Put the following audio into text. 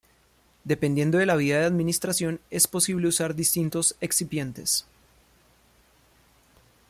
Dependiendo de la vía de administración es posible usar distintos excipientes.